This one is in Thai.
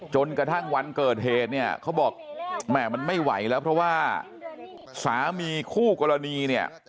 จนกระทั่งวันเกิดเหตุเนี่ยเขาบอกแหม่มันไม่ไหวแล้วเพราะว่าสามีคู่กรณีเนี่ย